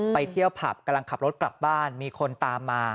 ไปเที่ยวผับกำลังขับรถกลับบ้านมีคนตามมา